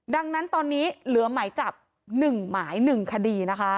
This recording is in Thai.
ดังนั้นตอนนี้เหลือหมายจับ๑หมาย๑คดีนะคะ